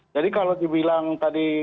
jadi kalau dibilang tadi